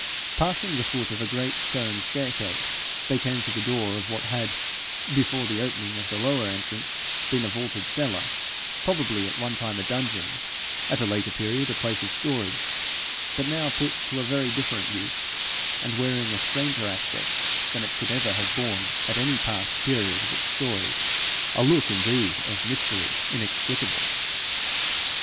Passing the foot of a great stone staircase, they came to the door of what had, before the opening of the lower entrance, been a vaulted cellar, probably at one time a dungeon, at a later period a place of storage, but now put to a very different use, and wearing a stranger aspect than it could ever have borne at any past period of its story a look indeed of mystery inexplicable.